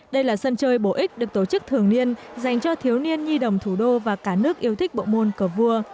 đây là sân chơi bổ ích được tổ chức thường niên dành cho thiếu niên nhi đồng thủ đô và cả nước yêu thích bộ môn cờ vua